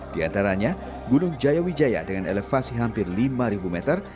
diantaranya gunung jayawijaya dengan elevasi hampir lima meter